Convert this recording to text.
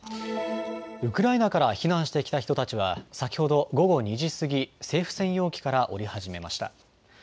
ウクライナから避難してきた人たちは先ほど午後２時過ぎ、政府専用機から降り始めました。